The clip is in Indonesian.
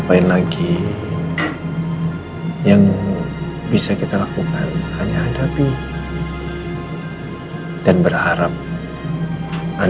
maaf ya om baru sempet kasih liat ini sekarang